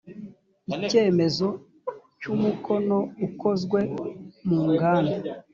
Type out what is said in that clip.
icyemezo cy umukono ukozwe munganda